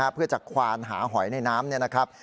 เพื่อจะควานหาหอยในน้ำเนี่ยนะครับ